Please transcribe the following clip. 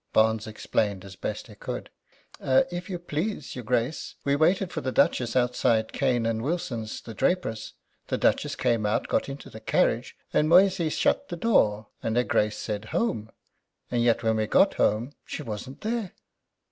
Barnes explained as best he could. "If you please, your Grace, we waited for the Duchess outside Cane and Wilson's, the drapers. The Duchess came out, got into the carriage, and Moysey shut the door, and her Grace said, 'Home!' and yet when we got home she wasn't there."